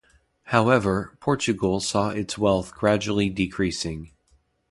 However, Portugal saw its wealth gradually decreasing.